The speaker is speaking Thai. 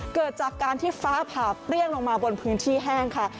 เกิดจากการที่ฟ้าผ่าเปรี้ยงลงมาบนพื้นที่แห้งค่ะ